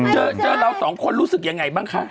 เจอเราสองคนรู้สึกยังไงบ้างคะ